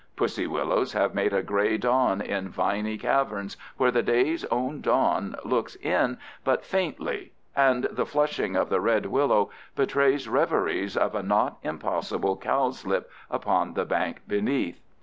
Pussy willows have made a gray dawn in viny caverns where the day's own dawn looks in but faintly, and the flushing of the red willow betrays reveries of a not impossible cowslip upon the bank beneath.